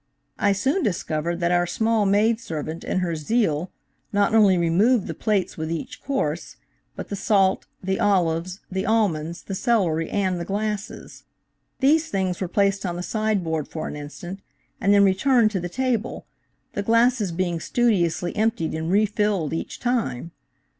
I soon discovered that our small maid servant, in her zeal, not only removed the plates with each course, but the salt, the olives, the almonds, the celery and the glasses. These things were placed on the sideboard for an instant, and then returned to the table, the glasses being studiously emptied and refilled each time.